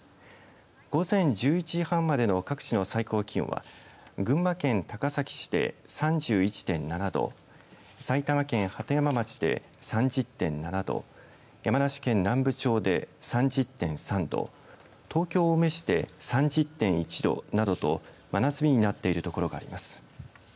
午前１１時半までの各地の最高気温は群馬県高崎市で３１．７度埼玉県鳩山町で３０．７度山梨県南部町で３０．３度東京、青梅市で３０．１度などと真夏日になっている所があります。